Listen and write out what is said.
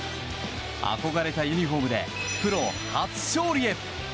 憧れたユニホームでプロ初勝利へ。